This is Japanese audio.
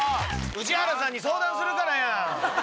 宇治原さんに相談するからやん！